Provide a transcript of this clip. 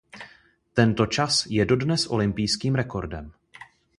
Tento čas je dodnes olympijským rekordem.